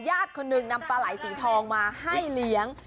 ญาติคนหนึ่งนำปลายสีทองมาให้เลี้ยง